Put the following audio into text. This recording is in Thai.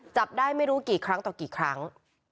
จับได้ไม่รู้กี่ครั้งต่อกี่ครั้ง